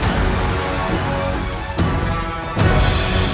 selamat tinggal puteraku